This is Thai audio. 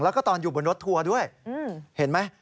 แล้วก็ตอนอยู่บนรถทัวร์ด้วยเห็นไหม